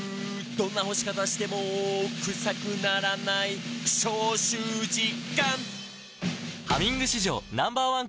「どんな干し方してもクサくならない」「消臭実感！」